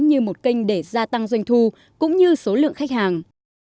như một kênh để gia tăng doanh thu cũng như số lượng khách hàng